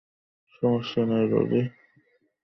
সমস্যা নেই, রোজি।